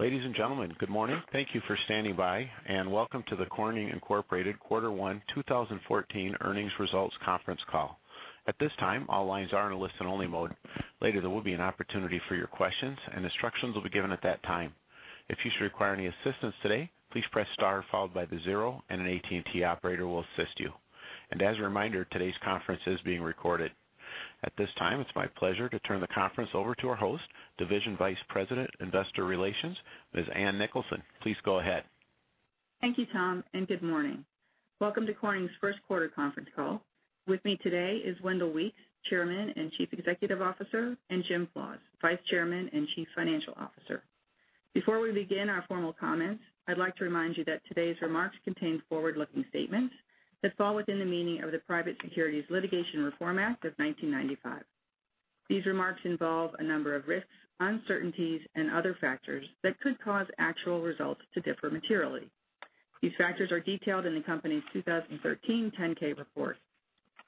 Ladies and gentlemen, good morning. Thank you for standing by, and welcome to the Corning Incorporated Quarter 1 2014 Earnings Results Conference Call. At this time, all lines are in a listen-only mode. Later, there will be an opportunity for your questions, and instructions will be given at that time. If you should require any assistance today, please press star followed by the zero, and an AT&T operator will assist you. As a reminder, today's conference is being recorded. At this time, it's my pleasure to turn the conference over to our host, Division Vice President, Investor Relations, Ms. Ann Nicholson. Please go ahead. Thank you, Tom, and good morning. Welcome to Corning's first quarter conference call. With me today is Wendell Weeks, Chairman and Chief Executive Officer, and Jim Flaws, Vice Chairman and Chief Financial Officer. Before we begin our formal comments, I'd like to remind you that today's remarks contain forward-looking statements that fall within the meaning of the Private Securities Litigation Reform Act of 1995. These remarks involve a number of risks, uncertainties, and other factors that could cause actual results to differ materially. These factors are detailed in the company's 2013 10-K report.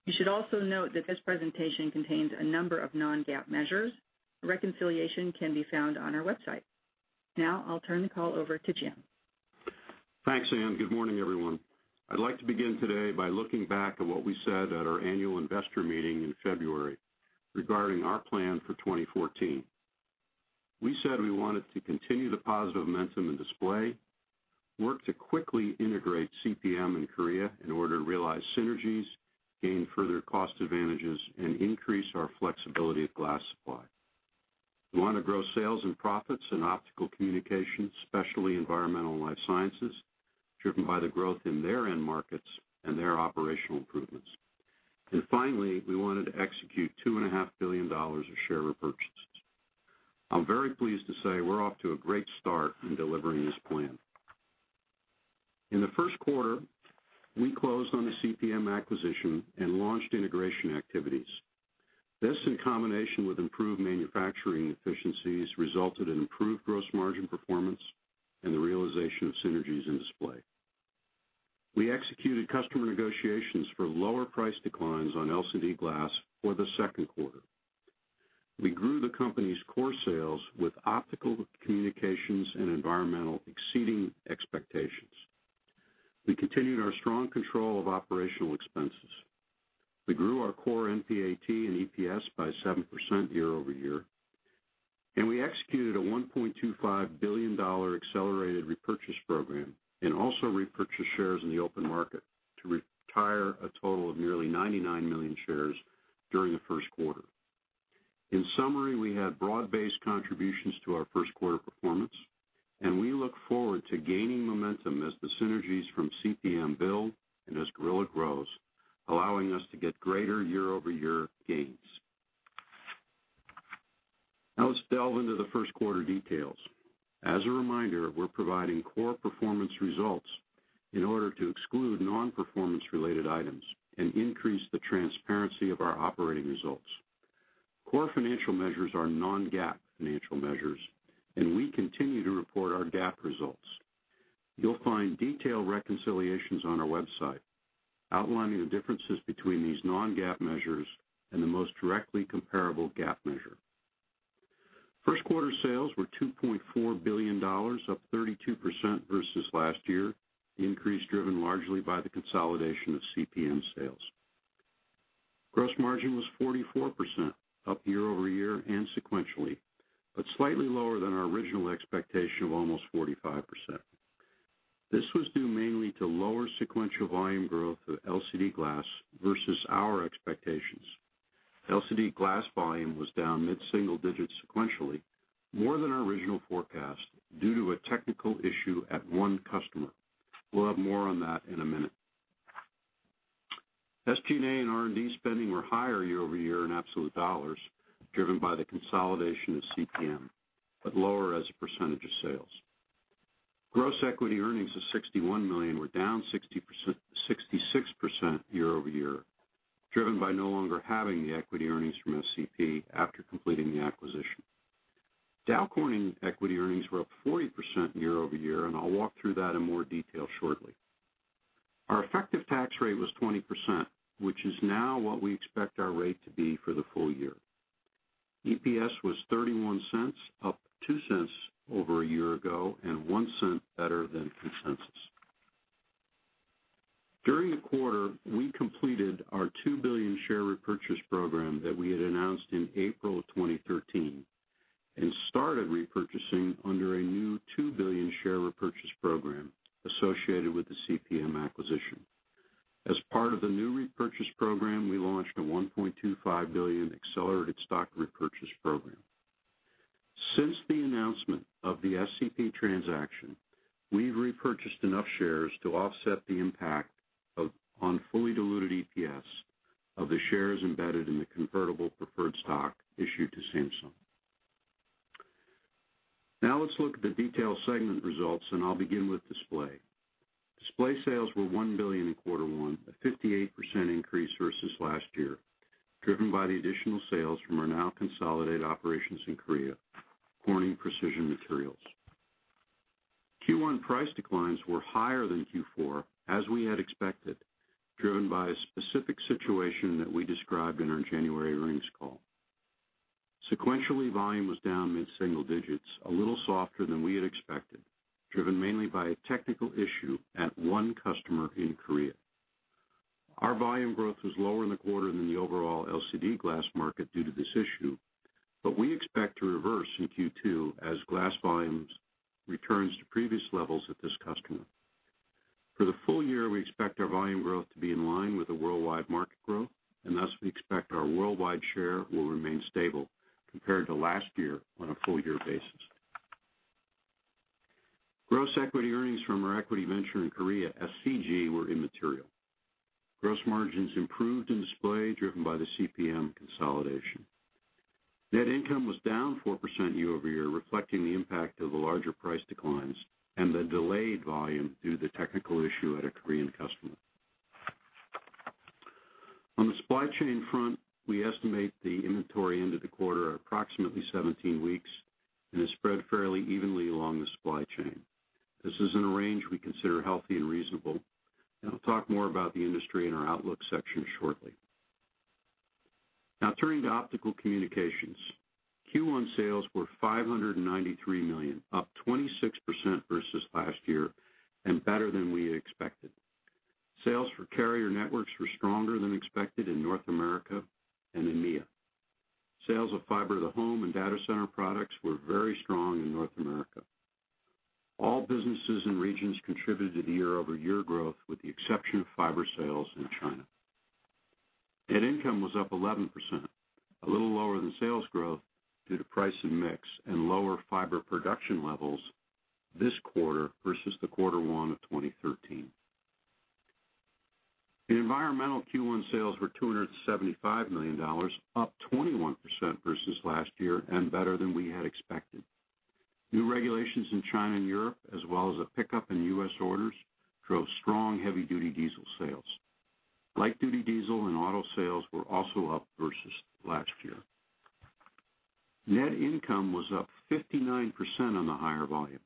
You should also note that this presentation contains a number of non-GAAP measures. Reconciliation can be found on our website. Now, I'll turn the call over to Jim. Thanks, Ann. Good morning, everyone. I'd like to begin today by looking back at what we said at our annual investor meeting in February regarding our plan for 2014. We said we wanted to continue the positive momentum in display, work to quickly integrate CPM in Korea in order to realize synergies, gain further cost advantages, and increase our flexibility of glass supply. We want to grow sales and profits in Optical Communications, especially Environmental Technologies and Life Sciences, driven by the growth in their end markets and their operational improvements. Finally, we wanted to execute $2.5 billion of share repurchases. I'm very pleased to say we're off to a great start in delivering this plan. In the first quarter, we closed on the CPM acquisition and launched integration activities. This, in combination with improved manufacturing efficiencies, resulted in improved gross margin performance and the realization of synergies in display. We executed customer negotiations for lower price declines on LCD glass for the second quarter. We grew the company's core sales with Optical Communications and Environmental Technologies exceeding expectations. We continued our strong control of operational expenses. We grew our core NPAT and EPS by 7% year-over-year. We executed a $1.25 billion accelerated repurchase program and also repurchased shares in the open market to retire a total of nearly 99 million shares during the first quarter. In summary, we had broad-based contributions to our first-quarter performance, and we look forward to gaining momentum as the synergies from CPM build and as Gorilla grows, allowing us to get greater year-over-year gains. Now let's delve into the first quarter details. As a reminder, we're providing core performance results in order to exclude non-performance related items and increase the transparency of our operating results. Core financial measures are non-GAAP financial measures. We continue to report our GAAP results. You'll find detailed reconciliations on our website outlining the differences between these non-GAAP measures and the most directly comparable GAAP measure. First quarter sales were $2.4 billion, up 32% versus last year, the increase driven largely by the consolidation of CPM sales. Gross margin was 44%, up year-over-year and sequentially. Slightly lower than our original expectation of almost 45%. This was due mainly to lower sequential volume growth of LCD glass versus our expectations. LCD glass volume was down mid-single digits sequentially, more than our original forecast due to a technical issue at one customer. We'll have more on that in a minute. SG&A and R&D spending were higher year-over-year in absolute dollars, driven by the consolidation of CPM. Lower as a percentage of sales. Gross equity earnings of $61 million were down 66% year-over-year, driven by no longer having the equity earnings from SCP after completing the acquisition. Dow Corning equity earnings were up 40% year-over-year. I'll walk through that in more detail shortly. Our effective tax rate was 20%, which is now what we expect our rate to be for the full year. EPS was $0.31, up $0.02 over a year ago. $0.01 better than consensus. During the quarter, we completed our $2 billion share repurchase program that we had announced in April of 2013. Started repurchasing under a new $2 billion share repurchase program associated with the CPM acquisition. As part of the new repurchase program, we launched a $1.25 billion accelerated stock repurchase program. Since the announcement of the SCP transaction, we've repurchased enough shares to offset the impact on fully diluted EPS of the shares embedded in the convertible preferred stock issued to Samsung. Now let's look at the detailed segment results. I'll begin with Display. Display sales were $1 billion in quarter one, a 58% increase versus last year, driven by the additional sales from our now consolidated operations in Korea, Corning Precision Materials. Q1 price declines were higher than Q4, as we had expected, driven by a specific situation that we described in our January earnings call. Sequentially, volume was down mid-single digits, a little softer than we had expected, driven mainly by a technical issue at one customer in Korea. Our volume growth was lower in the quarter than the overall LCD glass market due to this issue. We expect to reverse in Q2 as glass volumes returns to previous levels at this customer. For the full year, we expect our volume growth to be in line with the worldwide market growth. Thus, we expect our worldwide share will remain stable compared to last year on a full-year basis. Gross equity earnings from our equity venture in Korea, SCG, were immaterial. Gross margins improved in Display, driven by the CPM consolidation. Net income was down 4% year-over-year, reflecting the impact of the larger price declines and the delayed volume due to the technical issue at a Korean customer. On the supply chain front, we estimate the inventory end of the quarter at approximately 17 weeks. Is spread fairly evenly along the supply chain. This is in a range we consider healthy and reasonable. I'll talk more about the industry in our outlook section shortly. Turning to Optical Communications. Q1 sales were $593 million, up 26% versus last year, better than we had expected. Sales for carrier networks were stronger than expected in North America and EMEA. Sales of fiber to the home and data center products were very strong in North America. All businesses and regions contributed to the year-over-year growth, with the exception of fiber sales in China. Net income was up 11%, a little lower than sales growth due to price and mix and lower fiber production levels this quarter versus the quarter one of 2013. In Environmental, Q1 sales were $275 million, up 21% versus last year, better than we had expected. New regulations in China and Europe, as well as a pickup in U.S. orders, drove strong heavy-duty diesel sales. Light-duty diesel and auto sales were also up versus last year. Net income was up 59% on the higher volumes.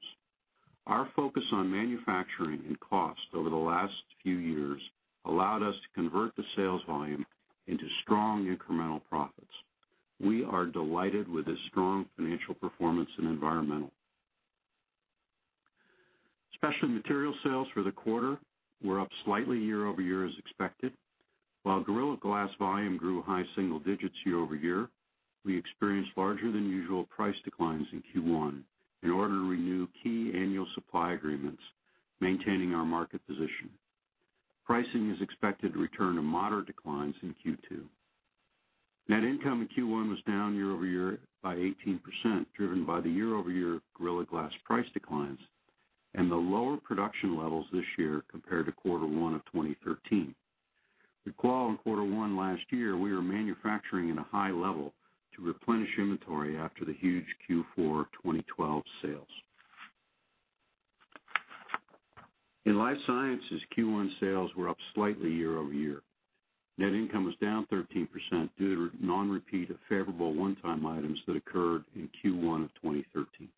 Our focus on manufacturing and cost over the last few years allowed us to convert the sales volume into strong incremental profits. We are delighted with this strong financial performance in Environmental. Specialty Materials sales for the quarter were up slightly year-over-year as expected. While Gorilla Glass volume grew high single digits year-over-year, we experienced larger than usual price declines in Q1 in order to renew key annual supply agreements, maintaining our market position. Pricing is expected to return to moderate declines in Q2. Net income in Q1 was down year-over-year by 18%, driven by the year-over-year Gorilla Glass price declines and the lower production levels this year compared to quarter one of 2013. Recall in quarter one last year, we were manufacturing at a high level to replenish inventory after the huge Q4 2012 sales. In Life Sciences, Q1 sales were up slightly year-over-year. Net income was down 13% due to non-repeat of favorable one-time items that occurred in Q1 of 2013.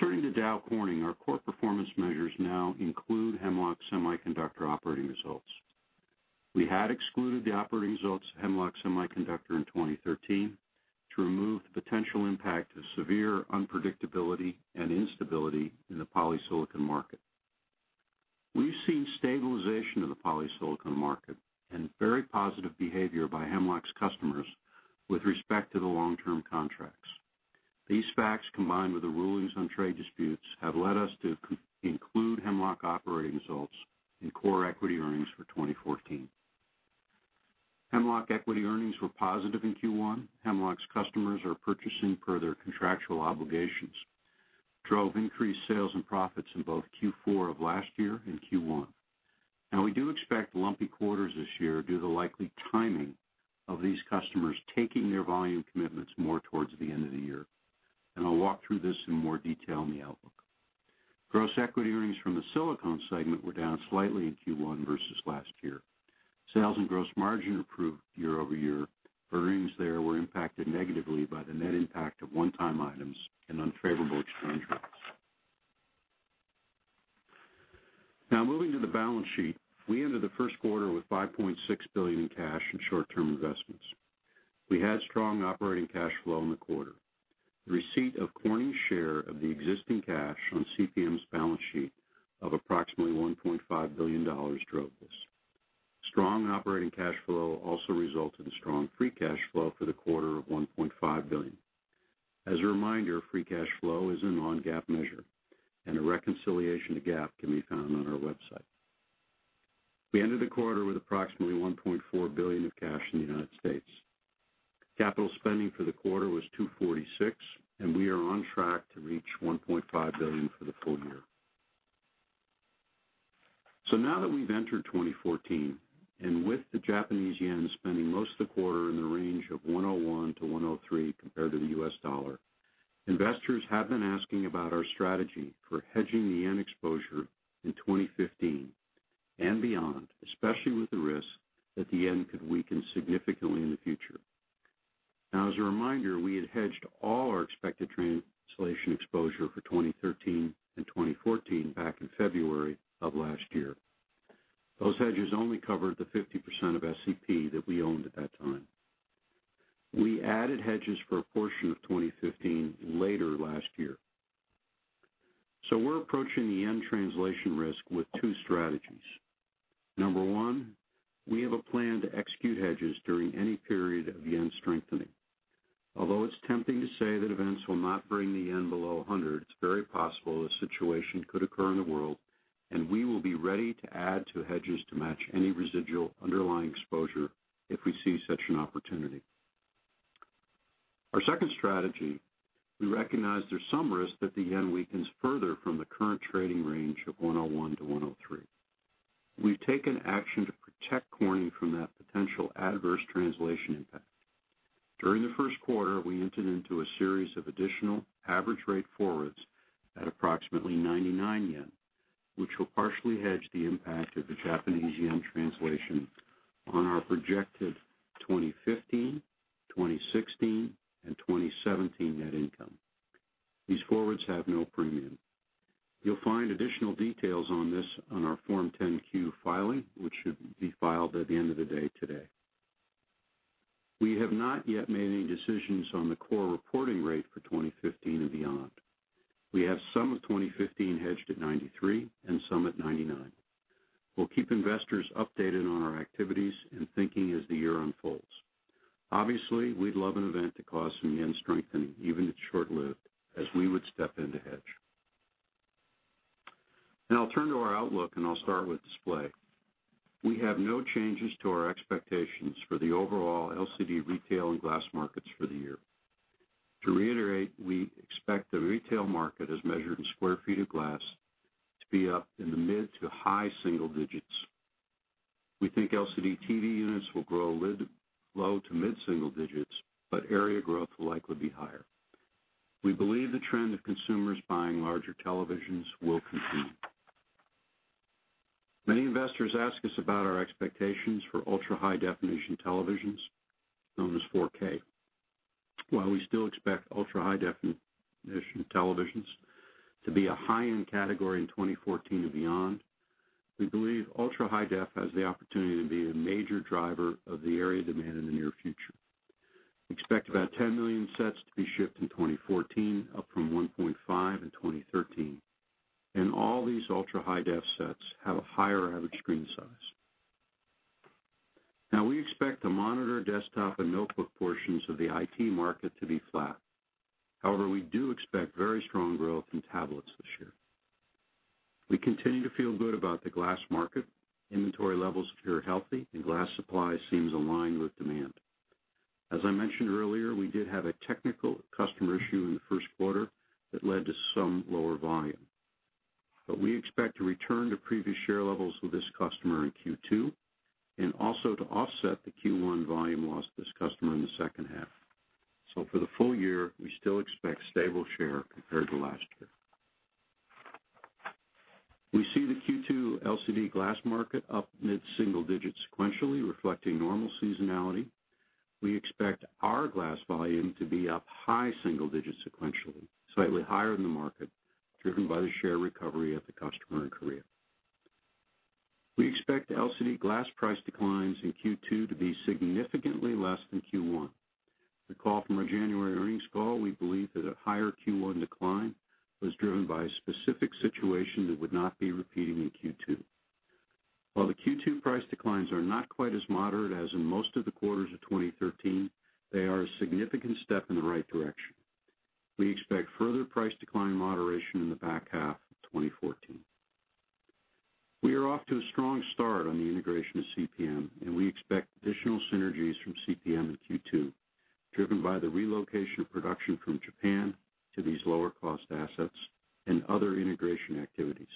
Turning to Dow Corning. Our core performance measures now include Hemlock Semiconductor operating results. We had excluded the operating results of Hemlock Semiconductor in 2013 to remove the potential impact of severe unpredictability and instability in the polysilicon market. We've seen stabilization of the polysilicon market and very positive behavior by Hemlock's customers with respect to the long-term contracts. These facts, combined with the rulings on trade disputes, have led us to include Hemlock operating results in core equity earnings for 2014. Hemlock equity earnings were positive in Q1. Hemlock's customers are purchasing per their contractual obligations, drove increased sales and profits in both Q4 of last year and Q1. We do expect lumpy quarters this year due to the likely timing of these customers taking their volume commitments more towards the end of the year. I'll walk through this in more detail in the outlook. Gross equity earnings from the silicone segment were down slightly in Q1 versus last year. Sales and gross margin improved year-over-year. Earnings there were impacted negatively by the net impact of one-time items and unfavorable exchange rates. Moving to the balance sheet. We ended the first quarter with $5.6 billion in cash and short-term investments. We had strong operating cash flow in the quarter. The receipt of Corning's share of the existing cash on CPM's balance sheet of approximately $1.5 billion drove this. Strong operating cash flow also resulted in strong free cash flow for the quarter of $1.5 billion. As a reminder, free cash flow is a non-GAAP measure, and a reconciliation to GAAP can be found on our website. We ended the quarter with approximately $1.4 billion of cash in the United States. Capital spending for the quarter was $246, and we are on track to reach $1.5 billion for the full year. Now that we've entered 2014, and with the Japanese yen spending most of the quarter in the range of 101 to 103 compared to the U.S. dollar, investors have been asking about our strategy for hedging the yen exposure in 2015 and beyond, especially with the risk that the yen could weaken significantly in the future. As a reminder, we had hedged all our expected translation exposure for 2013 and 2014 back in February of last year. Those hedges only covered the 50% of SCP that we owned at that time. We added hedges for a portion of 2015 later last year. We're approaching the yen translation risk with two strategies. Number one, we have a plan to execute hedges during any period of yen strengthening. Although it's tempting to say that events will not bring the yen below 100, it's very possible a situation could occur in the world, and we will be ready to add to hedges to match any residual underlying exposure if we see such an opportunity. Our second strategy, we recognize there's some risk that the yen weakens further from the current trading range of 101 to 103. We've taken action to protect Corning from that potential adverse translation impact. During the first quarter, we entered into a series of additional average rate forwards at approximately 99 yen, which will partially hedge the impact of the Japanese yen translation on our projected 2015, 2016, and 2017 net income. These forwards have no premium. You'll find additional details on this on our Form 10Q filing, which should be filed at the end of the day today. We have not yet made any decisions on the core reporting rate for 2015 and beyond. We have some of 2015 hedged at 93 JPY and some at 99 JPY. We'll keep investors updated on our activities and thinking as the year unfolds. Obviously, we'd love an event to cause some yen strengthening, even if it's short-lived, as we would step in to hedge. I'll turn to our outlook, and I'll start with display. We have no changes to our expectations for the overall LCD retail and glass markets for the year. To reiterate, we expect the retail market, as measured in sq ft of glass, to be up in the mid to high single digits. We think LCD TV units will grow low to mid-single digits, but area growth will likely be higher. We believe the trend of consumers buying larger televisions will continue. Many investors ask us about our expectations for ultra-high-definition televisions, known as 4K. While we still expect ultra-high-definition televisions to be a high-end category in 2014 and beyond, we believe ultra-high def has the opportunity to be a major driver of the area demand in the near future. Expect about 10 million sets to be shipped in 2014, up from 1.5 in 2013. All these ultra-high-def sets have a higher average screen size. We expect the monitor, desktop, and notebook portions of the IT market to be flat. We do expect very strong growth in tablets this year. We continue to feel good about the glass market. Inventory levels appear healthy, and glass supply seems aligned with demand. As I mentioned earlier, we did have a technical customer issue in the first quarter that led to some lower volume. We expect to return to previous share levels with this customer in Q2, and also to offset the Q1 volume loss to this customer in the second half. For the full year, we still expect stable share compared to last year. We see the Q2 LCD glass market up mid-single digits sequentially, reflecting normal seasonality. We expect our glass volume to be up high single digits sequentially, slightly higher than the market, driven by the share recovery at the customer in Korea. We expect LCD glass price declines in Q2 to be significantly less than Q1. Recall from our January earnings call, we believe that a higher Q1 decline was driven by a specific situation that would not be repeating in Q2. While the Q2 price declines are not quite as moderate as in most of the quarters of 2013, they are a significant step in the right direction. We expect further price decline moderation in the back half of 2014. We are off to a strong start on the integration of CPM, and we expect additional synergies from CPM in Q2, driven by the relocation of production from Japan to these lower-cost assets and other integration activities.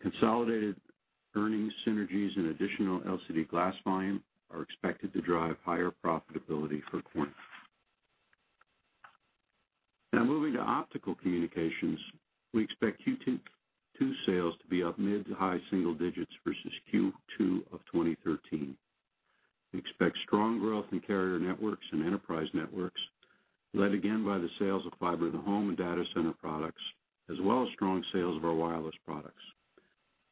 Consolidated earnings synergies and additional LCD glass volume are expected to drive higher profitability for Corning. Moving to Optical Communications, we expect Q2 sales to be up mid to high single digits versus Q2 of 2013. We expect strong growth in carrier networks and enterprise networks, led again by the sales of fiber to the home and data center products, as well as strong sales of our wireless products.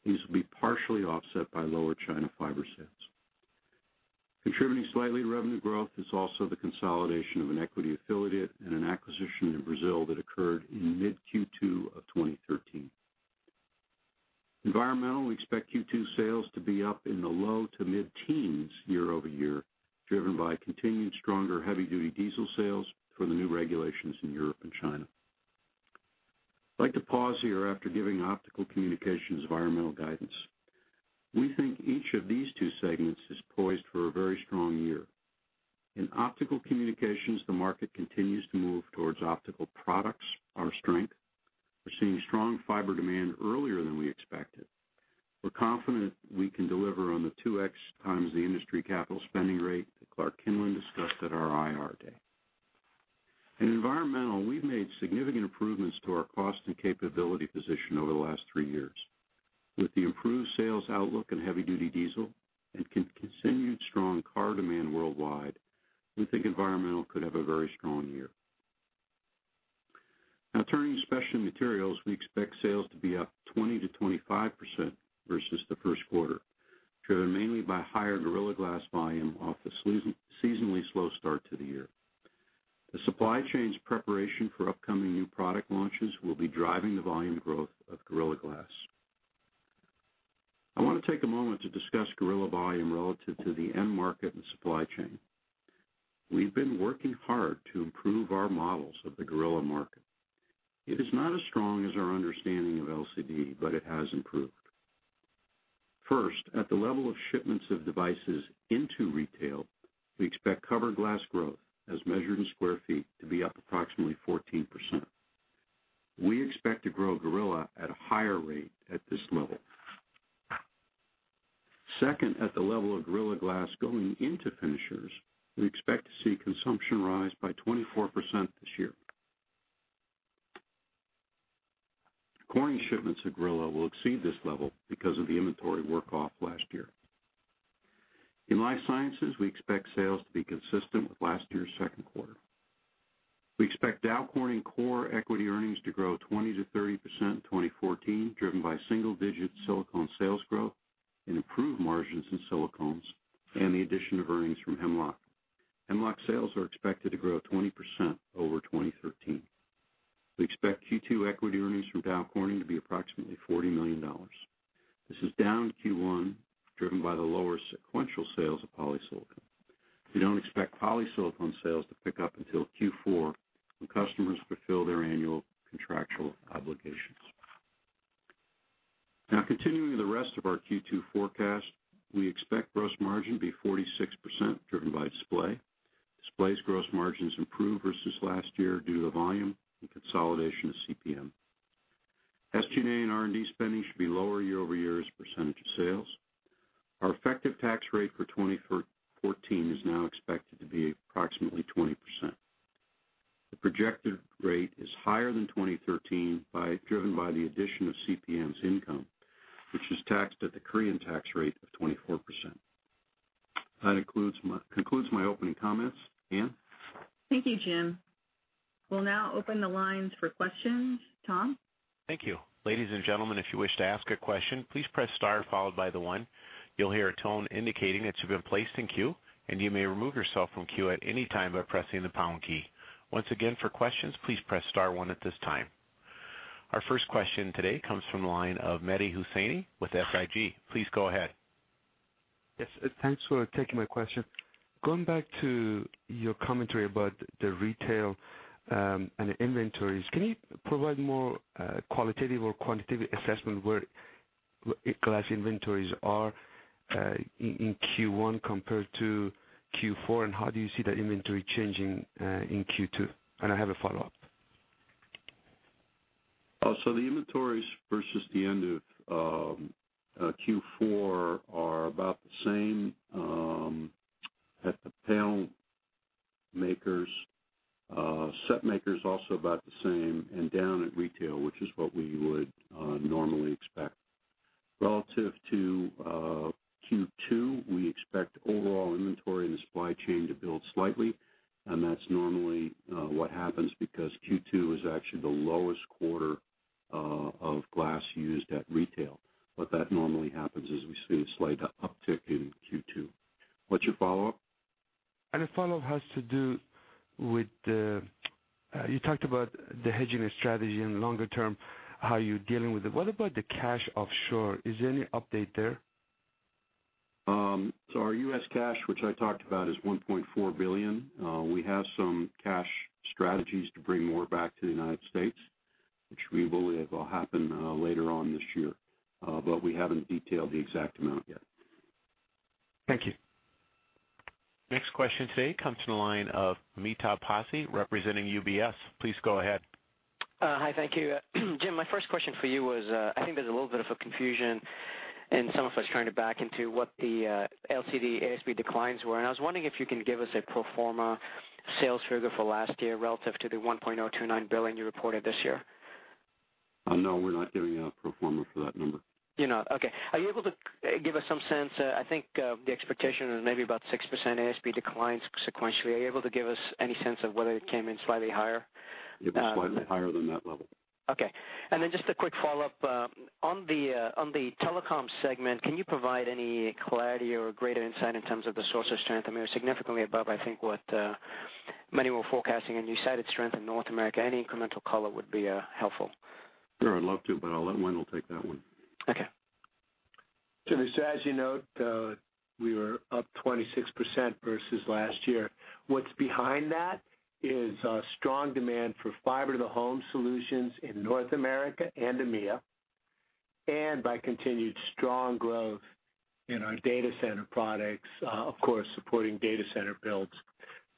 These will be partially offset by lower China fiber sets. Contributing slightly to revenue growth is also the consolidation of an equity affiliate and an acquisition in Brazil that occurred in mid-Q2 of 2013. Environmental, we expect Q2 sales to be up in the low to mid-teens year-over-year, driven by continued stronger heavy-duty diesel sales from the new regulations in Europe and China. I'd like to pause here after giving Optical Communications environmental guidance. We think each of these two segments is poised for a very strong year. In Optical Communications, the market continues to move towards optical products, our strength. We're seeing strong fiber demand earlier than we expected. We're confident we can deliver on the 2x times the industry capital spending rate that Clark S. Kinlin discussed at our IR Day. In Environmental, we've made significant improvements to our cost and capability position over the last three years. With the improved sales outlook in heavy duty diesel and continued strong car demand worldwide, we think Environmental could have a very strong year. Now turning to Specialty Materials, we expect sales to be up 20%-25% versus the first quarter, driven mainly by higher Gorilla Glass volume off the seasonally slow start to the year. The supply chain's preparation for upcoming new product launches will be driving the volume growth of Gorilla Glass. I want to take a moment to discuss Gorilla volume relative to the end market and supply chain. We've been working hard to improve our models of the Gorilla market. It is not as strong as our understanding of LCD, but it has improved. First, at the level of shipments of devices into retail, we expect cover glass growth, as measured in square feet, to be up approximately 14%. We expect to grow Gorilla at a higher rate at this level. Second, at the level of Gorilla Glass going into finishers, we expect to see consumption rise by 24% this year. Corning shipments of Gorilla will exceed this level because of the inventory work off last year. In Life Sciences, we expect sales to be consistent with last year's second quarter. We expect Dow Corning core equity earnings to grow 20%-30% in 2014, driven by single-digit silicone sales growth and improved margins in silicones, and the addition of earnings from Hemlock. Hemlock sales are expected to grow 20% over 2013. We expect Q2 equity earnings from Dow Corning to be approximately $40 million. This is down Q1, driven by the lower sequential sales of polysilicon. We don't expect polysilicon sales to pick up until Q4 when customers fulfill their annual contractual obligations. Now continuing to the rest of our Q2 forecast, we expect gross margin to be 46%, driven by Display. Display's gross margins improved versus last year due to volume and consolidation of CPM. SG&A and R&D spending should be lower year-over-year as a percentage of sales. Our effective tax rate for 2014 is now expected to be approximately 20%. The projected rate is higher than 2013, driven by the addition of CPM's income, which is taxed at the Korean tax rate of 24%. That concludes my opening comments. Ann? Thank you, Jim. We'll now open the lines for questions. Tom? Thank you. Ladies and gentlemen, if you wish to ask a question, please press star followed by the one. You'll hear a tone indicating that you've been placed in queue, and you may remove yourself from queue at any time by pressing the pound key. Once again, for questions, please press star one at this time. Our first question today comes from the line of Mehdi Hosseini with SIG. Please go ahead. Yes. Thanks for taking my question. Going back to your commentary about the retail and the inventories, can you provide more qualitative or quantitative assessment where glass inventories are in Q1 compared to Q4, and how do you see that inventory changing in Q2? I have a follow-up. The inventories versus the end of Q4 are about the same at the panel makers. Set makers also about the same and down at retail, which is what we would normally expect. Relative to Q2, we expect overall inventory in the supply chain to build slightly, and that's normally what happens because Q2 is actually the lowest quarter of glass used at retail. That normally happens as we see a slight uptick in Q2. What's your follow-up? The follow-up has to do with the, you talked about the hedging strategy and longer term, how you're dealing with it. What about the cash offshore? Is there any update there? Our U.S. cash, which I talked about, is $1.4 billion. We have some cash strategies to bring more back to the United States, which we believe will happen later on this year. We haven't detailed the exact amount yet. Thank you. Next question today comes from the line of Mital Posse, representing UBS. Please go ahead. Hi, thank you. Jim, my first question for you was, I think there's a little bit of a confusion in some of us trying to back into what the LCD ASP declines were, and I was wondering if you can give us a pro forma sales figure for last year relative to the $1.029 billion you reported this year. No, we're not giving out pro forma for that number. You're not. Okay. Are you able to give us some sense, I think the expectation is maybe about 6% ASP declines sequentially. Are you able to give us any sense of whether it came in slightly higher? It was slightly higher than that level. Okay. Then just a quick follow-up. On the telecom segment, can you provide any clarity or greater insight in terms of the source of strength? I mean, you're significantly above, I think what many were forecasting, and you cited strength in North America. Any incremental color would be helpful. Sure, I'd love to, but I'll let Wendell take that one. Okay. Jimmy, as you note, we were up 26% versus last year. What's behind that is strong demand for fiber-to-the-home solutions in North America and EMEA, and by continued strong growth in our data center products, of course, supporting data center builds.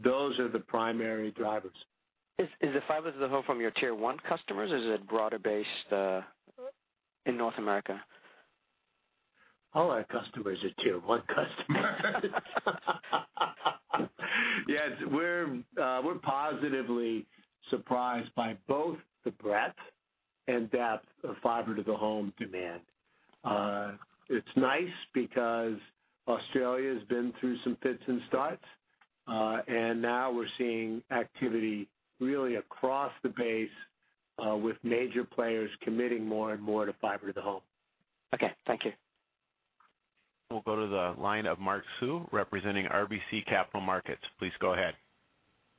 Those are the primary drivers. Is the fiber-to-the-home from your tier 1 customers, or is it broader based in North America? All our customers are tier 1 customers. Yes, we're positively surprised by both the breadth and depth of fiber to the home demand. It's nice because Australia's been through some fits and starts, and now we're seeing activity really across the base, with major players committing more and more to fiber to the home. Okay. Thank you. We'll go to the line of Mark Hsu, representing RBC Capital Markets. Please go ahead.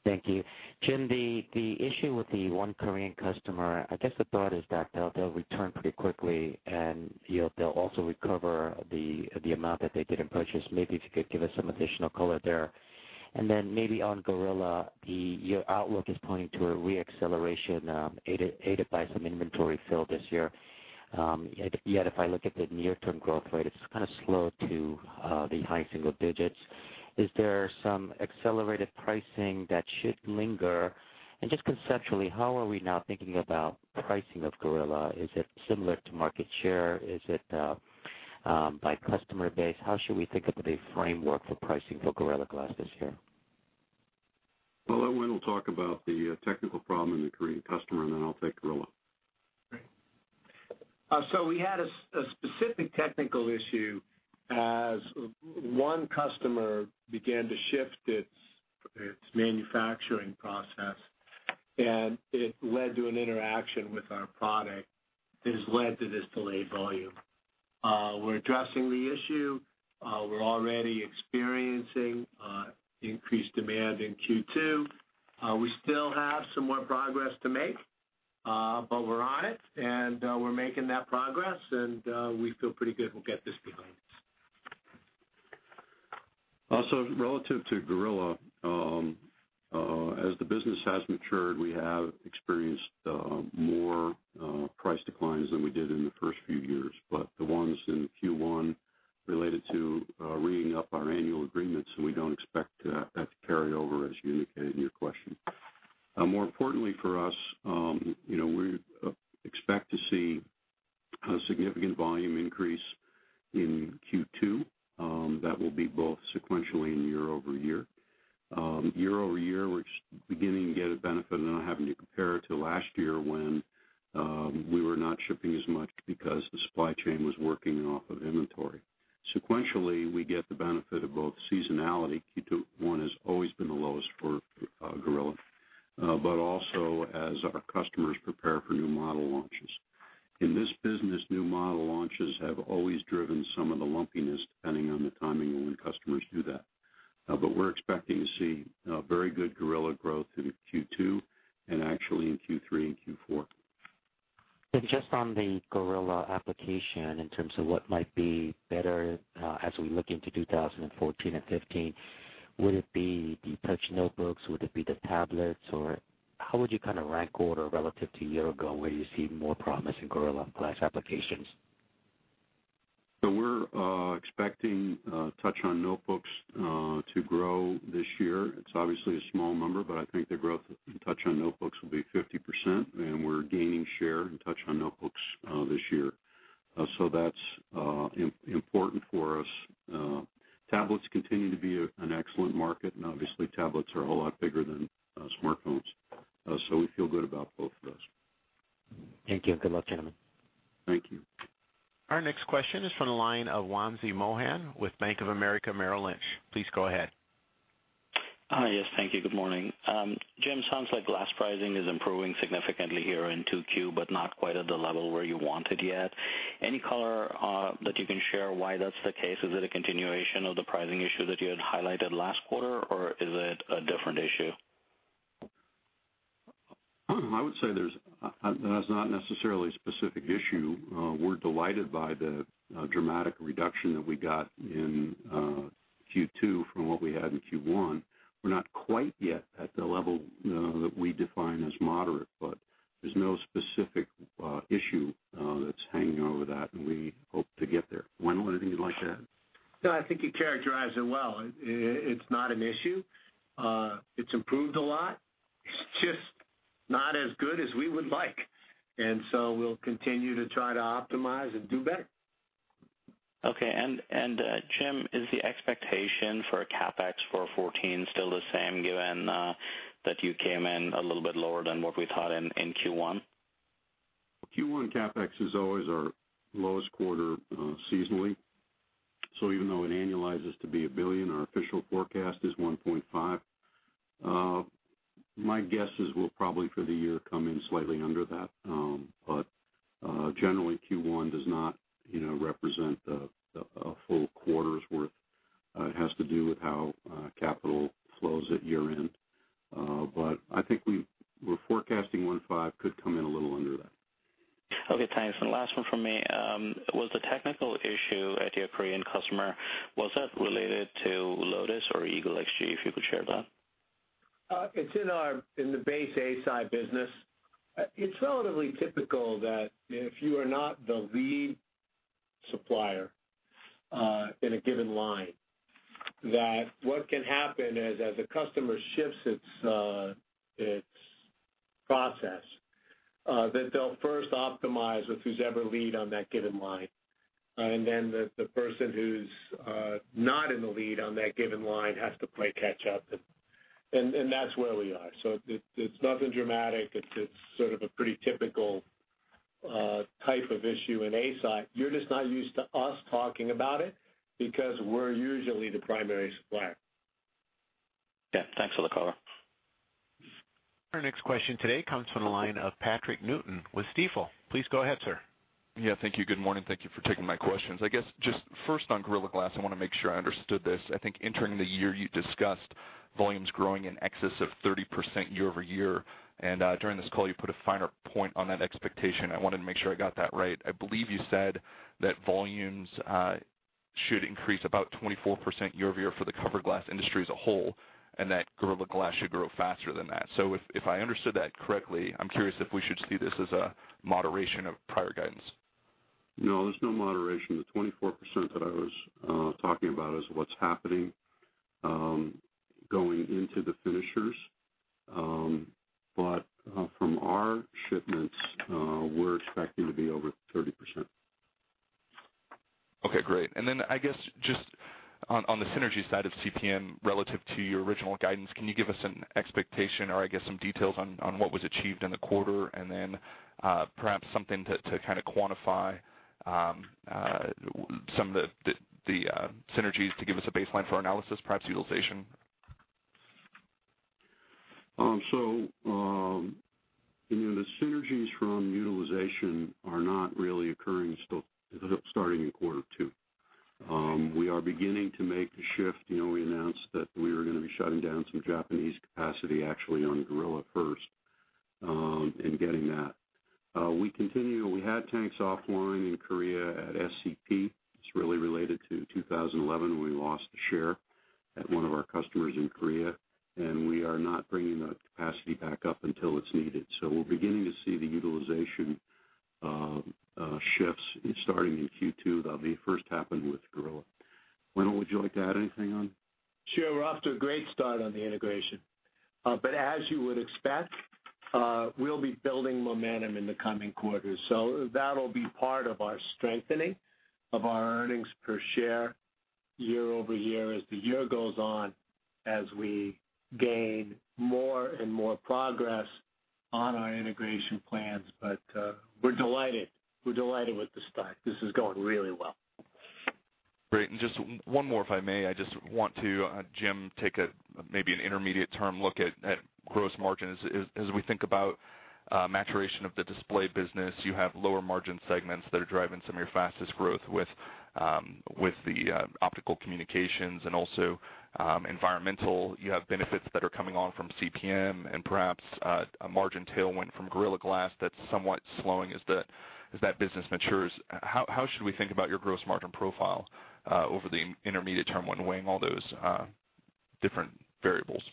Thank you. Jim, the issue with the one Korean customer, I guess the thought is that they'll return pretty quickly and they'll also recover the amount that they didn't purchase. Maybe if you could give us some additional color there. Then maybe on Gorilla, your outlook is pointing to a re-acceleration, aided by some inventory fill this year. If I look at the near-term growth rate, it's kind of slow to the high single digits. Is there some accelerated pricing that should linger? Just conceptually, how are we now thinking about pricing of Gorilla? Is it similar to market share? Is it by customer base? How should we think about a framework for pricing for Gorilla Glass this year? Well, I will talk about the technical problem in the Korean customer. Then I'll take Gorilla. Great. We had a specific technical issue as one customer began to shift its manufacturing process, and it led to an interaction with our product that has led to this delayed volume. We're addressing the issue. We're already experiencing increased demand in Q2. We still have some more progress to make, but we're on it, and we're making that progress, and we feel pretty good we'll get this behind us. Also, relative to Gorilla, as the business has matured, we have experienced more price declines than we did in the first few years. The ones in Q1 related to reading up our annual agreements, and we don't expect that to carry over, as you indicated in your question. More importantly for us, we expect to see a significant volume increase in Q2. That will be both sequentially and year-over-year. Year-over-year, we're beginning to get a benefit of not having to compare to last year when we were not shipping as much because the supply chain was working off of inventory. Sequentially, we get the benefit of both seasonality, Q1 has always been the lowest for Gorilla, but also as our customers prepare for new model launches. In this business, new model launches have always driven some of the lumpiness, depending on the timing when customers do that. We're expecting to see very good Gorilla growth in Q2 and actually in Q3 and Q4. Just on the Gorilla application, in terms of what might be better as we look into 2014 and 2015, would it be the touch notebooks? Would it be the tablets? Or how would you kind of rank order relative to a year ago, where you see more promise in Gorilla Glass applications? We're expecting touch on notebooks to grow this year. It's obviously a small number, but I think the growth in touch on notebooks will be 50%, and we're gaining share in touch on notebooks this year. That's important for us. Tablets continue to be an excellent market, and obviously tablets are a whole lot bigger than smartphones. We feel good about both of those. Thank you. Good luck, gentlemen. Thank you. Our next question is from the line of Wamsi Mohan with Bank of America Merrill Lynch. Please go ahead. Yes. Thank you. Good morning. Jim, sounds like glass pricing is improving significantly here in 2Q, not quite at the level where you want it yet. Any color that you can share why that's the case? Is it a continuation of the pricing issue that you had highlighted last quarter, or is it a different issue? I would say there's not necessarily a specific issue. We're delighted by the dramatic reduction that we got in Q2 from what we had in Q1. We're not quite yet at the level that we define as moderate, there's no specific issue that's hanging over that, we hope to get there. Wendell, anything you'd like to add? No, I think you characterized it well. It's not an issue. It's improved a lot. It's just not as good as we would like, we'll continue to try to optimize and do better. Okay. Jim, is the expectation for CapEx for 2014 still the same, given that you came in a little bit lower than what we thought in Q1? Q1 CapEx is always our lowest quarter seasonally. Even though it annualizes to be $1 billion, our official forecast is $1.5. My guess is we'll probably for the year come in slightly under that. Generally, Q1 does not represent a full quarter's worth. It has to do with how capital flows at year-end. I think we're forecasting $1.5, could come in a little under that. Okay, thanks. Last one from me. Was the technical issue at your Korean customer, was that related to Lotus or EagleXG, if you could share that? It's in the base a-Si business. It's relatively typical that if you are not the lead supplier in a given line, what can happen is as a customer shifts its process, that they'll first optimize with who's ever lead on that given line. Then the person who's not in the lead on that given line has to play catch up, and that's where we are. It's nothing dramatic. It's sort of a pretty typical type of issue in a-Si. You're just not used to us talking about it because we're usually the primary supplier. Yeah. Thanks for the call. Our next question today comes from the line of Patrick Newton with Stifel. Please go ahead, sir. Yeah, thank you. Good morning. Thank you for taking my questions. I guess just first on Gorilla Glass, I want to make sure I understood this. I think entering the year you discussed volumes growing in excess of 30% year-over-year, during this call you put a finer point on that expectation. I wanted to make sure I got that right. I believe you said that volumes should increase about 24% year-over-year for the cover glass industry as a whole, that Gorilla Glass should grow faster than that. If I understood that correctly, I'm curious if we should see this as a moderation of prior guidance. No, there's no moderation. The 24% that I was talking about is what's happening, going into the finishers. From our shipments, we're expecting to be over 30%. Okay, great. I guess just on the synergy side of CPM relative to your original guidance, can you give us an expectation or I guess some details on what was achieved in the quarter and then perhaps something to kind of quantify some of the synergies to give us a baseline for our analysis, perhaps utilization? The synergies from utilization are not really occurring still. They're starting in Q2. We are beginning to make the shift. We announced that we are going to be shutting down some Japanese capacity actually on Gorilla first, and getting that. We had tanks offline in Korea at SCP. It's really related to 2011, when we lost a share at one of our customers in Korea, and we are not bringing that capacity back up until it's needed. We're beginning to see the utilization shifts starting in Q2. That'll be first happen with Gorilla. Wendell, would you like to add anything on? Sure. We're off to a great start on the integration. As you would expect, we'll be building momentum in the coming quarters. That'll be part of our strengthening of our earnings per share year-over-year as the year goes on, as we gain more and more progress on our integration plans. We're delighted. We're delighted with the start. This is going really well. Great. Just one more, if I may. I just want to, Jim, take maybe an intermediate term look at gross margin. As we think about maturation of the display business, you have lower margin segments that are driving some of your fastest growth with the Optical Communications and also environmental. You have benefits that are coming on from CPM and perhaps a margin tailwind from Gorilla Glass that's somewhat slowing as that business matures. How should we think about your gross margin profile over the intermediate term when weighing all those different variables?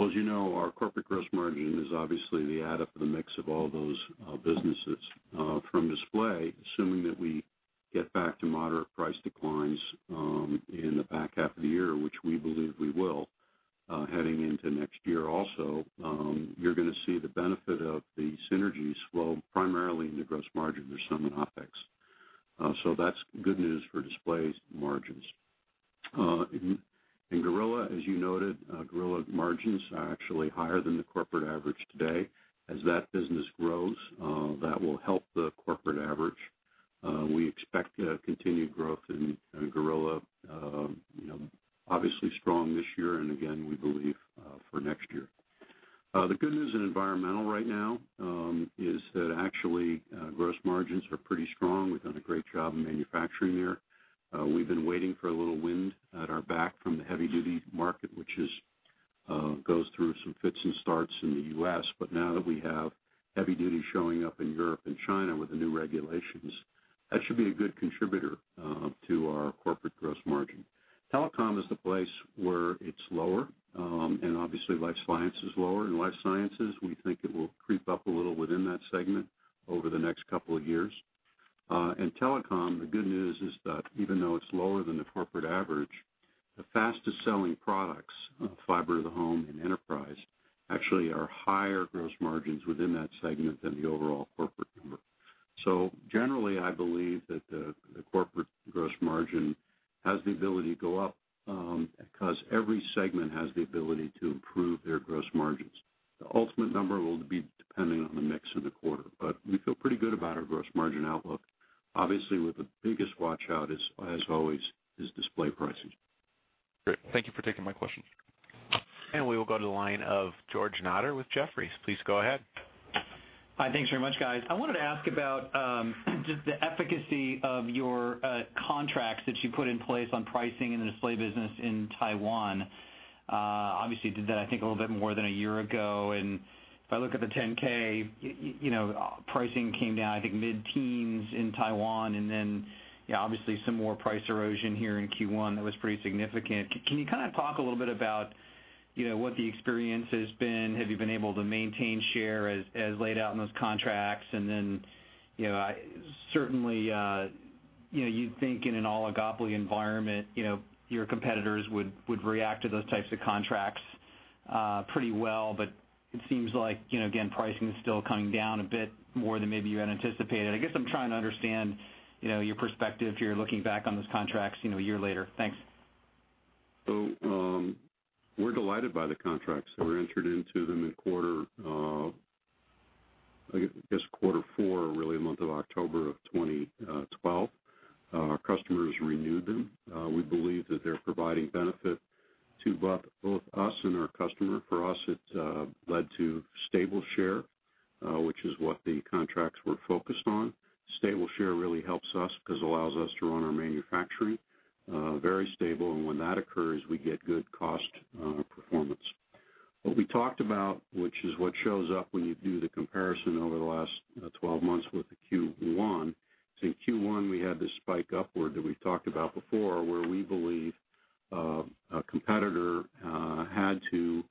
As you know, our corporate gross margin is obviously the add up of the mix of all those businesses. From display, assuming that we get back to moderate price declines in the back half of the year, which we believe we will, heading into next year also, you're going to see the benefit of the synergies flow primarily in the gross margin. There's some in OpEx. That's good news for display margins. In Gorilla, as you noted, Gorilla margins are actually higher than the corporate average today. As that business grows, that will help the corporate average. We expect continued growth in Gorilla. Obviously strong this year, and again, we believe for next year. The good news in environmental right now is that actually gross margins are pretty strong. We've done a great job in manufacturing there. We've been waiting for a little wind at our back from the heavy duty market, which goes through some fits and starts in the U.S., but now that we have heavy duty showing up in Europe and China with the new regulations, that should be a good contributor to our corporate gross margin. telecom is the place where it's lower, and obviously Life Sciences is lower. In Life Sciences, we think it will creep up a little within that segment over the next couple of years. In telecom, the good news is that even though it's lower than the corporate average, the fastest selling products, fiber to the home and enterprise, actually are higher gross margins within that segment than the overall corporate number. Generally, I believe that the corporate gross margin has the ability to go up, because every segment has the ability to improve their gross margins. The ultimate number will be depending on the mix of the quarter, we feel pretty good about our gross margin outlook. Obviously, with the biggest watch-out, as always, is display pricing. Great. Thank you for taking my question. We will go to the line of George Notter with Jefferies. Please go ahead. Hi. Thanks very much, guys. I wanted to ask about just the efficacy of your contracts that you put in place on pricing in the display business in Taiwan. Obviously you did that I think a little bit more than a year ago, and if I look at the 10K, pricing came down I think mid-teens in Taiwan, and then obviously some more price erosion here in Q1 that was pretty significant. Can you kind of talk a little bit about What the experience has been, have you been able to maintain share as laid out in those contracts? Certainly, you'd think in an oligopoly environment, your competitors would react to those types of contracts pretty well, but it seems like, again, pricing is still coming down a bit more than maybe you had anticipated. I guess I'm trying to understand your perspective here looking back on those contracts a year later. Thanks. We're delighted by the contracts that were entered into them in, I guess, quarter four, really the month of October of 2012. Our customers renewed them. We believe that they're providing benefit to both us and our customer. For us, it's led to stable share, which is what the contracts were focused on. Stable share really helps us because it allows us to run our manufacturing very stable, and when that occurs, we get good cost performance. What we talked about, which is what shows up when you do the comparison over the last 12 months with the Q1, in Q1, we had this spike upward that we've talked about before, where we believe a competitor had to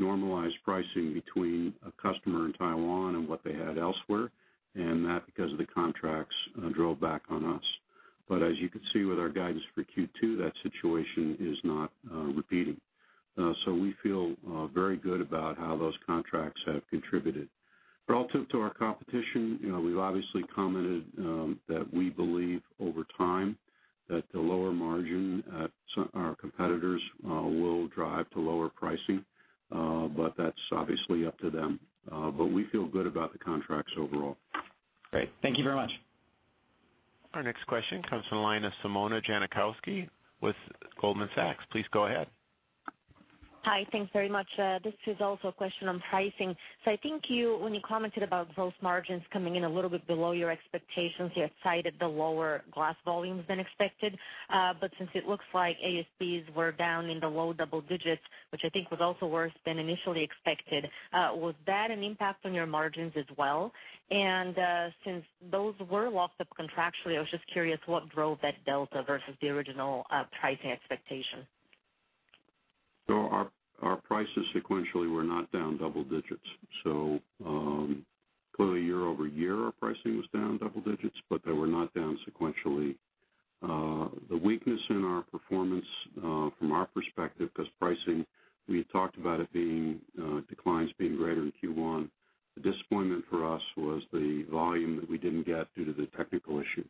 normalize pricing between a customer in Taiwan and what they had elsewhere, and that, because of the contracts, drove back on us. As you can see with our guidance for Q2, that situation is not repeating. We feel very good about how those contracts have contributed. Relative to our competition, we've obviously commented that we believe over time that the lower margin at our competitors will drive to lower pricing. That's obviously up to them. We feel good about the contracts overall. Great. Thank you very much. Our next question comes from the line of Simona Jankowski with Goldman Sachs. Please go ahead. Hi, thanks very much. This is also a question on pricing. I think when you commented about gross margins coming in a little bit below your expectations, you had cited the lower glass volumes than expected. Since it looks like ASPs were down in the low double digits, which I think was also worse than initially expected, was that an impact on your margins as well? Since those were locked up contractually, I was just curious what drove that delta versus the original pricing expectation. Our prices sequentially were not down double digits. Clearly year-over-year, our pricing was down double digits, but they were not down sequentially. The weakness in our performance from our perspective, because pricing, we had talked about declines being greater in Q1. The disappointment for us was the volume that we didn't get due to the technical issue.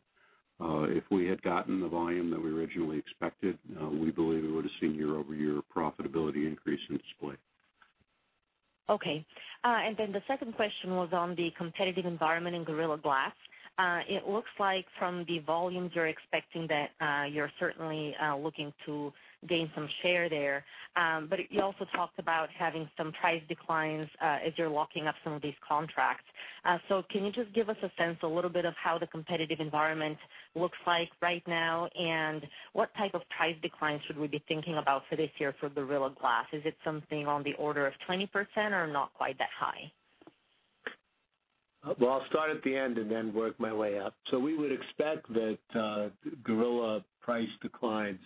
If we had gotten the volume that we originally expected, we believe we would have seen year-over-year profitability increase in display. Okay. The second question was on the competitive environment in Gorilla Glass. It looks like from the volumes you're expecting that you're certainly looking to gain some share there. You also talked about having some price declines as you're locking up some of these contracts. Can you just give us a sense, a little bit of how the competitive environment looks like right now, and what type of price declines should we be thinking about for this year for Gorilla Glass? Is it something on the order of 20% or not quite that high? Well, I'll start at the end and work my way up. We would expect that Gorilla price declines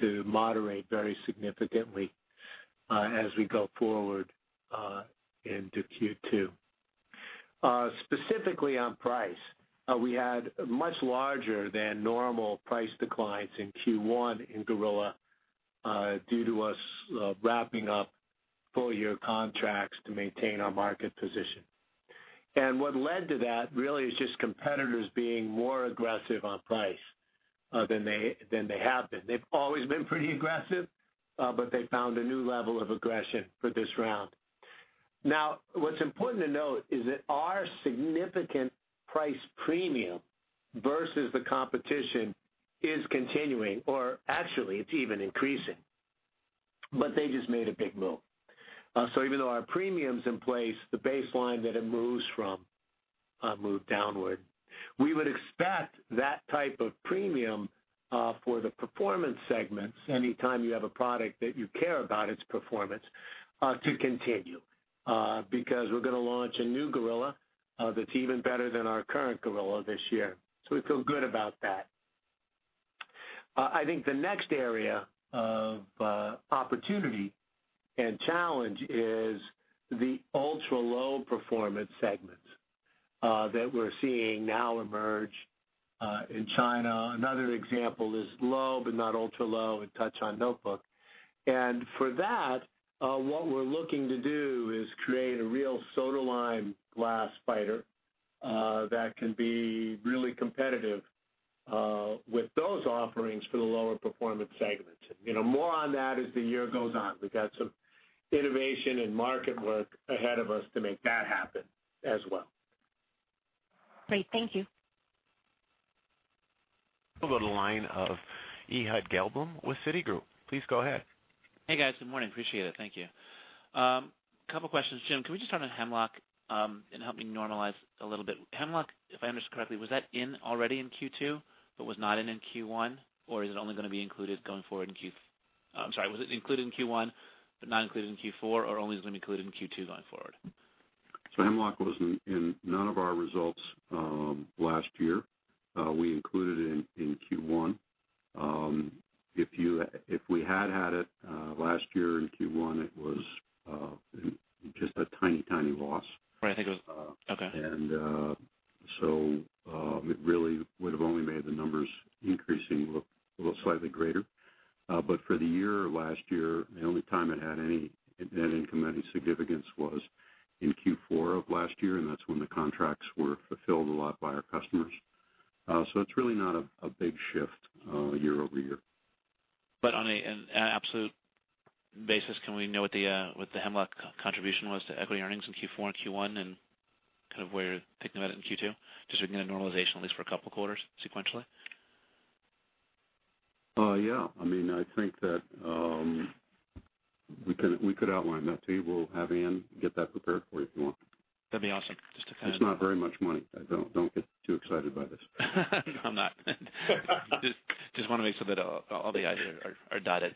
to moderate very significantly as we go forward into Q2. Specifically on price, we had much larger than normal price declines in Q1 in Gorilla, due to us wrapping up full-year contracts to maintain our market position. What led to that really is just competitors being more aggressive on price than they have been. They've always been pretty aggressive, but they found a new level of aggression for this round. What's important to note is that our significant price premium versus the competition is continuing, or actually it's even increasing. They just made a big move. Even though our premium's in place, the baseline that it moves from moved downward. We would expect that type of premium for the performance segments, anytime you have a product that you care about its performance, to continue, because we're going to launch a new Gorilla that's even better than our current Gorilla this year. We feel good about that. I think the next area of opportunity and challenge is the ultra-low performance segments that we're seeing now emerge in China. Another example is low, but not ultra-low in touch on notebook. For that, what we're looking to do is create a real soda-lime glass fighter, that can be really competitive with those offerings for the lower performance segments. More on that as the year goes on. We've got some innovation and market work ahead of us to make that happen as well. Great. Thank you. We'll go to the line of Ehud Gelblum with Citigroup. Please go ahead. Hey, guys. Good morning. Appreciate it. Thank you. Couple questions. Jim, can we just start on Hemlock and help me normalize a little bit. Hemlock, if I understand correctly, was that in already in Q2 but was not in in Q1, or is it only going to be included going forward in I'm sorry, was it included in Q1 but not included in Q4, or only is it going to be included in Q2 going forward? Hemlock was in none of our results last year. We included it in Q1. If we had had it last year in Q1, it was just a tiny loss. Right. I think it was Okay. It really would have only made the numbers increasing look a little slightly greater. For the year last year, the only time it had any net income of any significance was in Q4 of last year, and that's when the contracts were fulfilled a lot by our customers. It's really not a big shift year-over-year. On an absolute basis, can we know what the Hemlock contribution was to equity earnings in Q4 and Q1, and kind of where you're thinking about it in Q2? Just so we can get a normalization at least for a couple of quarters sequentially. Yeah. I think that we could outline that to you. We'll have Ann get that prepared for you if you want. That'd be awesome. It's not very much money. Don't get too excited by this. I'm not. Just want to make sure that all the i's are dotted.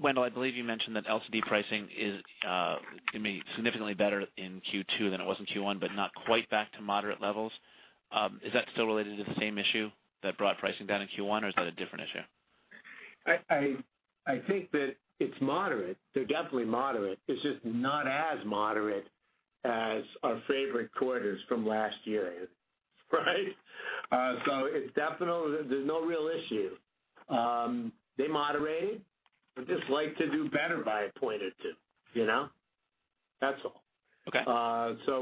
Wendell, I believe you mentioned that LCD pricing is going to be significantly better in Q2 than it was in Q1, but not quite back to moderate levels. Is that still related to the same issue that brought pricing down in Q1? Is that a different issue? I think that it's moderate. They're definitely moderate. It's just not as moderate as our favorite quarters from last year. Right? There's no real issue. They moderated. I'd just like to do better by a point or two. That's all. Okay.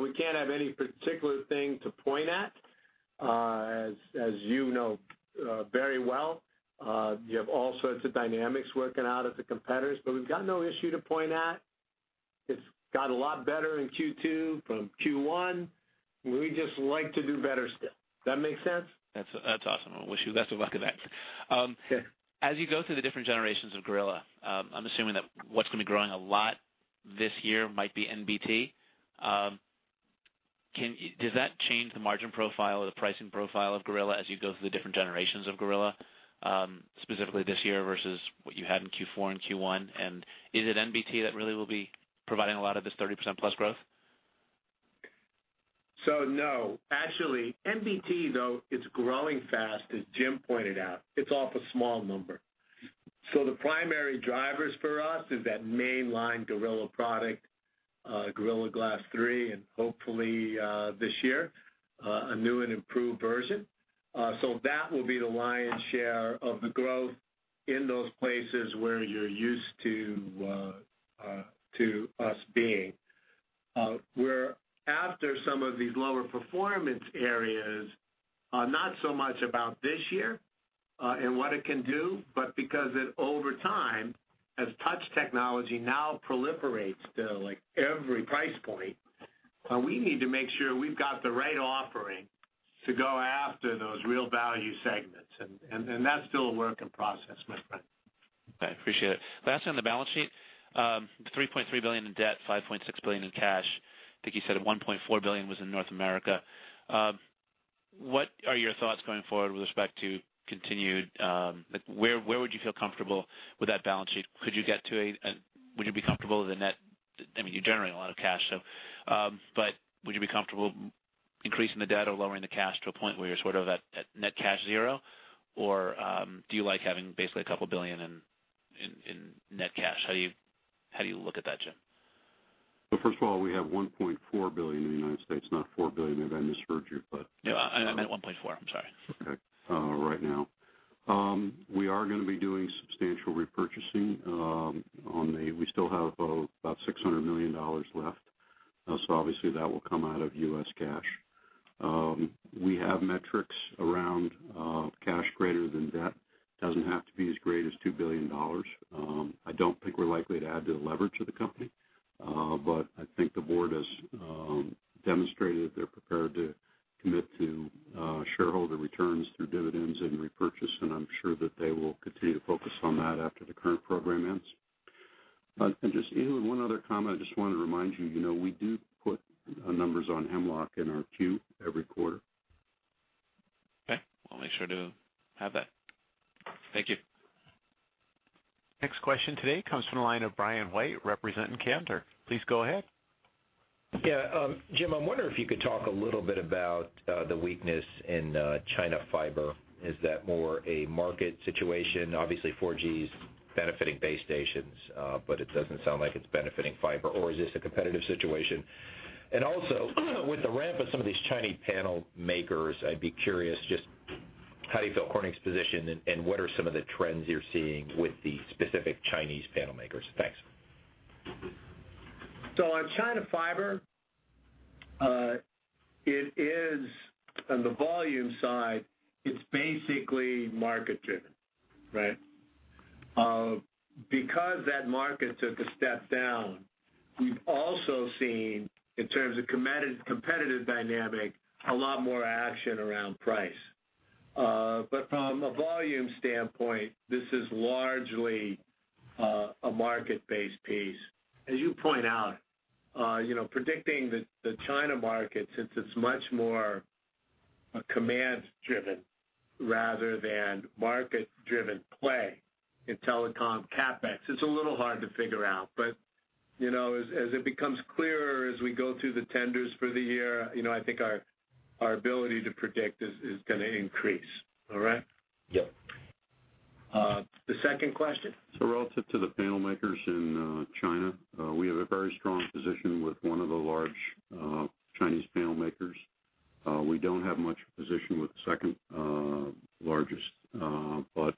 We can't have any particular thing to point at. As you know very well, you have all sorts of dynamics working out at the competitors, but we've got no issue to point at. It's got a lot better in Q2 from Q1. We just like to do better still. Does that make sense? That's awesome. I wish you the best of luck with that. Okay. As you go through the different generations of Gorilla, I'm assuming that what's going to be growing a lot this year might be NBT. Does that change the margin profile or the pricing profile of Gorilla as you go through the different generations of Gorilla, specifically this year versus what you had in Q4 and Q1? Is it NBT that really will be providing a lot of this 30%+ growth? No. Actually, NBT, though it's growing fast as Jim pointed out, it's off a small number. The primary drivers for us is that mainline Gorilla product, Gorilla Glass 3, and hopefully this year, a new and improved version. That will be the lion's share of the growth in those places where you're used to us being. We're after some of these lower performance areas, not so much about this year, and what it can do, but because over time, as touch technology now proliferates to every price point, we need to make sure we've got the right offering to go after those real value segments. That's still a work in process, my friend. Okay. I appreciate it. Last on the balance sheet, $3.3 billion in debt, $5.6 billion in cash. I think you said $1.4 billion was in North America. What are your thoughts going forward with respect to Where would you feel comfortable with that balance sheet? You generate a lot of cash, but would you be comfortable increasing the debt or lowering the cash to a point where you're sort of at net cash zero? Or do you like having basically a couple of billion in net cash? How do you look at that, Jim? First of all, we have $1.4 billion in the U.S., not $4 billion, if I misheard you. No, I meant $1.4. I'm sorry. Right now, we are going to be doing substantial repurchasing. We still have about $600 million left. Obviously, that will come out of U.S. cash. We have metrics around cash greater than debt. Doesn't have to be as great as $2 billion. I don't think we're likely to add to the leverage of the company. I think the board has demonstrated they're prepared to commit to shareholder returns through dividends and repurchase, and I'm sure that they will continue to focus on that after the current program ends. Just one other comment, I just want to remind you, we do put numbers on Hemlock in our Q every quarter. Okay. I'll make sure to have that. Thank you. Next question today comes from the line of Brian White representing Cantor. Please go ahead. Yeah. Jim, I'm wondering if you could talk a little bit about the weakness in China fiber. Is that more a market situation? Obviously, 4G's benefiting base stations, but it doesn't sound like it's benefiting fiber. Or is this a competitive situation? Also, with the ramp of some of these Chinese panel makers, I'd be curious just how do you feel Corning's positioned, and what are some of the trends you're seeing with the specific Chinese panel makers? Thanks. On China fiber, on the volume side, it's basically market driven. Right? Because that market took a step down, we've also seen, in terms of competitive dynamic, a lot more action around price. From a volume standpoint, this is largely a market-based piece. As you point out, predicting the China market, since it's much more a command-driven rather than market-driven play in telecom CapEx. It's a little hard to figure out, but as it becomes clearer as we go through the tenders for the year, I think our ability to predict is going to increase. All right? Yes. The second question? Relative to the panel makers in China, we have a very strong position with one of the large Chinese panel makers. We don't have much position with the second largest. We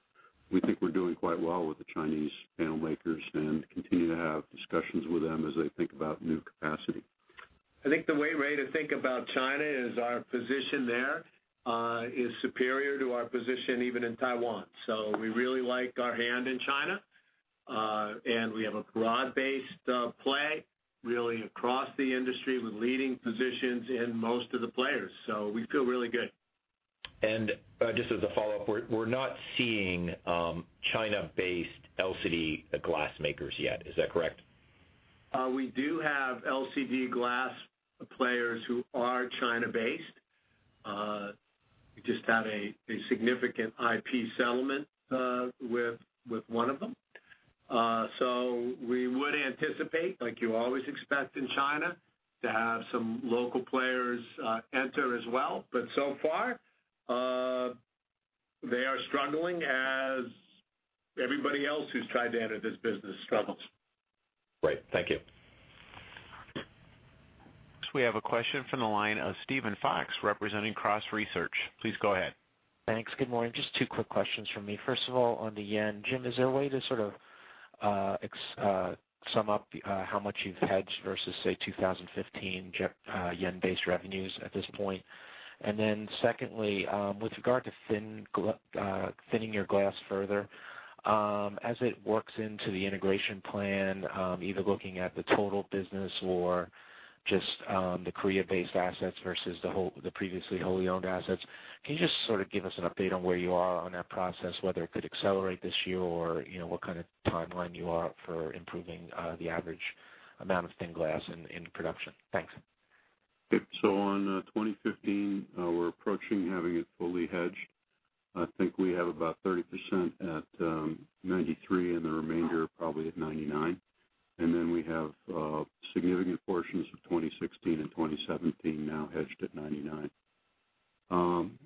think we're doing quite well with the Chinese panel makers and continue to have discussions with them as they think about new capacity. I think the way, Ray, to think about China is our position there is superior to our position even in Taiwan. We really like our hand in China. We have a broad-based play, really across the industry with leading positions in most of the players. We feel really good. Just as a follow-up, we're not seeing China-based LCD glass makers yet. Is that correct? We do have LCD glass players who are China-based. We just had a significant IP settlement with one of them. We would anticipate, like you always expect in China, to have some local players enter as well, but so far, they are struggling as everybody else who's tried to enter this business struggles. Great. Thank you. Next we have a question from the line of Steven Fox, representing Cross Research. Please go ahead. Thanks. Good morning. Just two quick questions from me. First of all, on the yen. Jim, is there a way to sort of sum up how much you've hedged versus, say, 2015 yen-based revenues at this point? Secondly, with regard to thinning your glass further, as it works into the integration plan, either looking at the total business or just the Korea-based assets versus the previously wholly-owned assets, can you just give us an update on where you are on that process, whether it could accelerate this year or what kind of timeline you are for improving the average amount of thin glass in production? Thanks. On 2015, we're approaching having it fully hedged. I think we have about 30% at 93, and the remainder probably at 99. We have significant portions of 2016 and 2017 now hedged at 99. On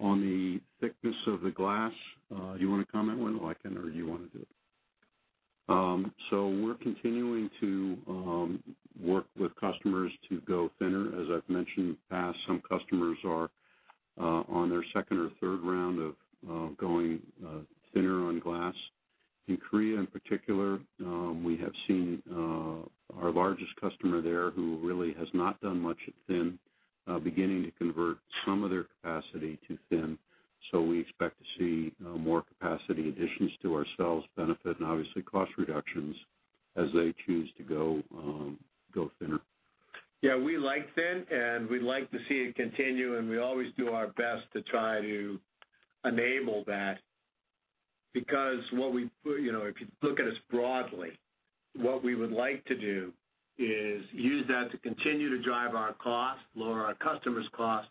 the thickness of the glass, do you want to comment, Wendell, I can, or do you want to do it? We're continuing to work with customers to go thinner. As I've mentioned in the past, some customers are on their second or third round of going thinner on glass. In Korea in particular, we have seen our largest customer there, who really has not done much at thin, beginning to convert some of their capacity to thin. We expect to see more capacity additions to ourselves benefit, and obviously cost reductions as they choose to go thinner. Yeah, we like thin, and we'd like to see it continue, and we always do our best to try to enable that. If you look at us broadly, what we would like to do is use that to continue to drive our costs, lower our customers' costs,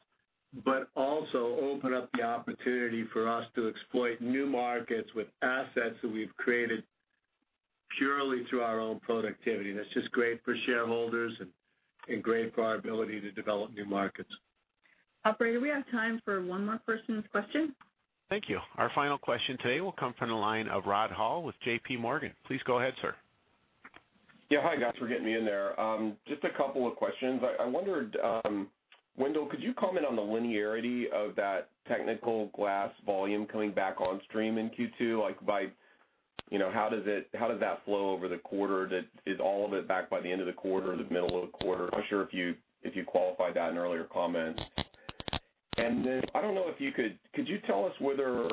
but also open up the opportunity for us to exploit new markets with assets that we've created purely through our own productivity. That's just great for shareholders and great for our ability to develop new markets. Operator, we have time for one more person's question. Thank you. Our final question today will come from the line of Rod Hall with J.P. Morgan. Please go ahead, sir. Yeah. Hi, guys, for getting me in there. Just a couple of questions. I wondered, Wendell, could you comment on the linearity of that technical glass volume coming back on stream in Q2? How does that flow over the quarter? Is all of it back by the end of the quarter or the middle of the quarter? Not sure if you qualified that in earlier comments. Then I don't know if you could you tell us whether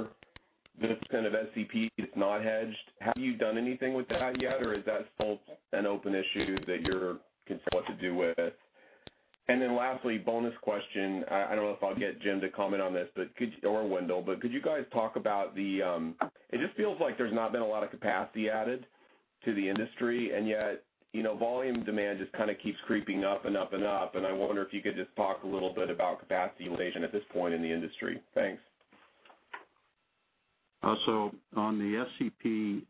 this kind of SCP is not hedged? Have you done anything with that yet, or is that still an open issue that you're considering what to do with? Lastly, bonus question, I don't know if I'll get Jim to comment on this, or Wendell, but it just feels like there's not been a lot of capacity added to the industry, and yet volume demand just kind of keeps creeping up and up. I wonder if you could just talk a little bit about capacity utilization at this point in the industry. Thanks. On the SCP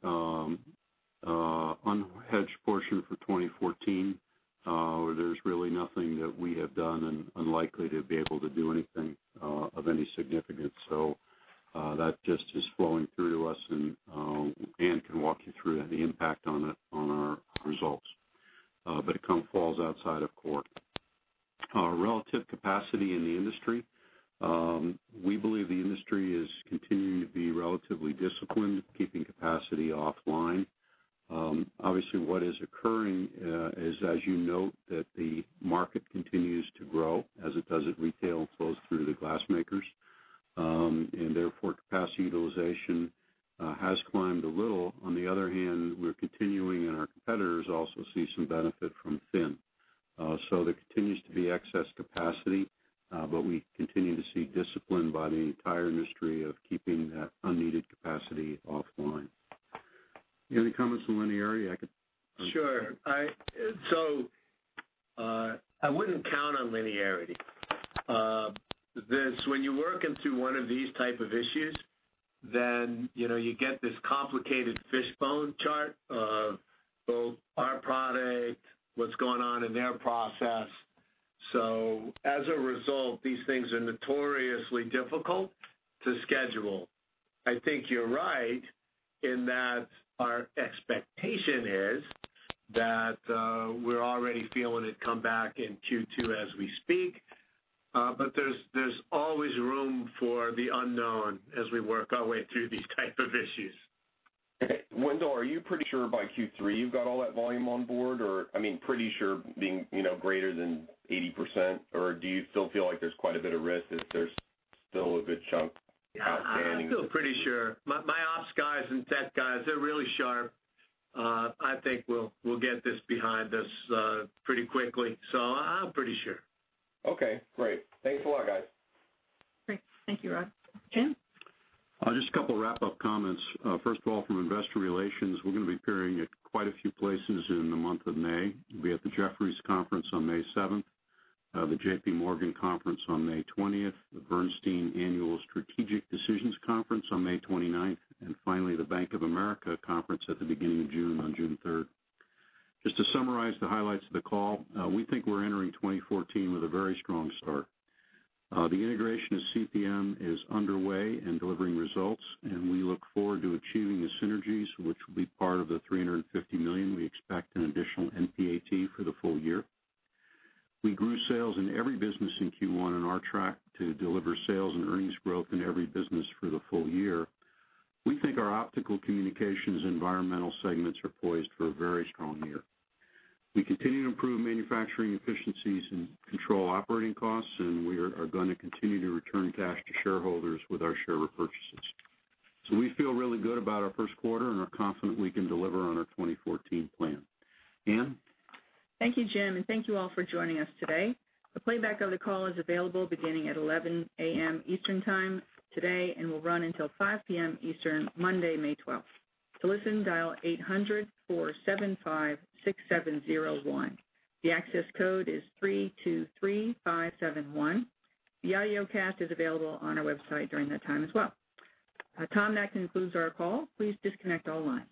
unhedged portion for 2014, there's really nothing that we have done and unlikely to be able to do anything of any significance. That just is flowing through to us, and Ann can walk you through the impact on our results. It falls outside of core. Relative capacity in the industry. We believe the industry is continuing to be relatively disciplined, keeping capacity offline. Obviously, what is occurring is, as you note, that the market continues to grow as it does at retail and flows through to the glass makers. Therefore, capacity utilization has climbed a little. On the other hand, we're continuing and our competitors also see some benefit from thin. There continues to be excess capacity, but we continue to see discipline by the entire industry of keeping that unneeded capacity offline. Any comments on linearity? Sure. I wouldn't count on linearity. When you work into one of these type of issues, then you get this complicated fish bone chart of both our product, what's going on in their process. As a result, these things are notoriously difficult to schedule. I think you're right in that our expectation is that we're already feeling it come back in Q2 as we speak. There's always room for the unknown as we work our way through these type of issues. Okay. Wendell, are you pretty sure by Q3 you've got all that volume on board? Pretty sure being greater than 80%? Do you still feel like there's quite a bit of risk if there's still a good chunk outstanding? I feel pretty sure. My ops guys and tech guys, they're really sharp. I think we'll get this behind us pretty quickly. I'm pretty sure. Okay, great. Thanks a lot, guys. Great. Thank you, Rod. Jim? Just a couple wrap-up comments. First of all, from Investor Relations, we're going to be appearing at quite a few places in the month of May. We'll be at the Jefferies Conference on May 7th, the J.P. Morgan Conference on May 20th, the Bernstein Annual Strategic Decisions Conference on May 29th, and finally, the Bank of America Conference at the beginning of June, on June 3rd. Just to summarize the highlights of the call, we think we're entering 2014 with a very strong start. The integration of CPM is underway and delivering results, and we look forward to achieving the synergies, which will be part of the $350 million we expect in additional NPAT for the full year. We grew sales in every business in Q1 and are on track to deliver sales and earnings growth in every business for the full year. We think our Optical Communications Environmental segments are poised for a very strong year. We continue to improve manufacturing efficiencies and control operating costs, and we are going to continue to return cash to shareholders with our share repurchases. We feel really good about our first quarter and are confident we can deliver on our 2014 plan. Ann? Thank you, Jim, and thank you all for joining us today. A playback of the call is available beginning at 11:00 A.M. Eastern time today, and will run until 5:00 P.M. Eastern, Monday, May 12th. To listen, dial 800-475-6701. The access code is 323571. The audiocast is available on our website during that time as well. Tom, that concludes our call. Please disconnect all lines.